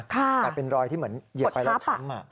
แต่เป็นรอยที่เหมือนเหยียบไปแล้วช้ำ